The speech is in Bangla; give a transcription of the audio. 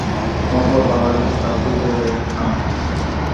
মতলব বাংলাদেশের চাঁদপুর জেলার একটি থানা।